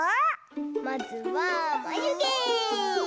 まずはまゆげ！